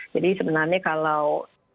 jadi sebenarnya kalau